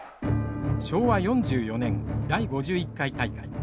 昭和４４年第５１回大会。